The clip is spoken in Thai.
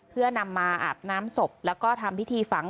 เพื่อนำมาอาบน้ำศพแล้วก็ทำพิธีฝัง